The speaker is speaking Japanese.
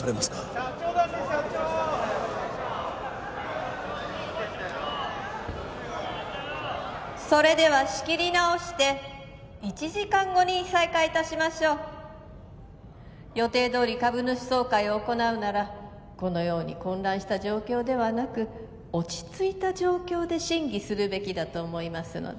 ・社長を出せ社長をそれでは仕切り直して１時間後に再開いたしましょう予定どおり株主総会を行うならこのように混乱した状況ではなく落ち着いた状況で審議するべきだと思いますので・